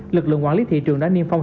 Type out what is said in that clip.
lực lượng quản lý thị trường đã niêm phong